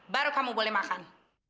baru kamu boleh makan